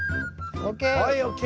ＯＫ。